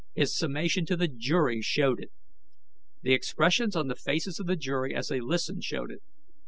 His summation to the jury showed it. The expressions on the faces of the jury as they listened showed it.